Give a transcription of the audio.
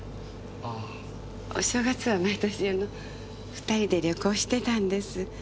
あぁ。お正月は毎年あの２人で旅行してたんです。